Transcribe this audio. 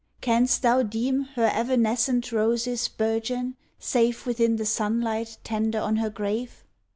Canst thou deem Her evanescent roses bourgeon save Within the sunlight tender on her grave*?